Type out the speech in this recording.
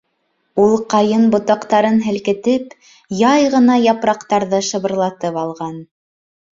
Ул ҡайын ботаҡтарын һелкетеп, яй ғына япраҡтарҙы шыбырлатып алған.